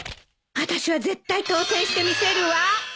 あたしは絶対当選してみせるわ。